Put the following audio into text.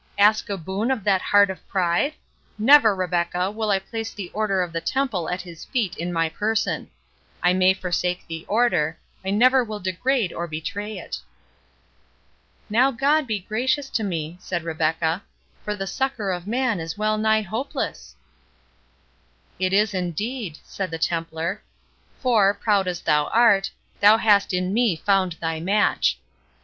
—ask a boon of that heart of pride?—Never, Rebecca, will I place the Order of the Temple at his feet in my person. I may forsake the Order, I never will degrade or betray it." "Now God be gracious to me," said Rebecca, "for the succour of man is well nigh hopeless!" "It is indeed," said the Templar; "for, proud as thou art, thou hast in me found thy match.